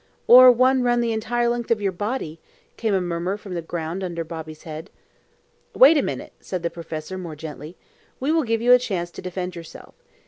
"Or one run the entire length of your body?" came a murmur from the ground under Bobby's head. "Wait a minute," said the professor, more gently. "We will give you a chance to defend yourself.